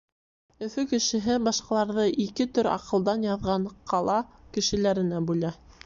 Өфө кешеһе башҡаларҙы ике төр аҡылдан яҙған ҡала кешеләренә бүлә.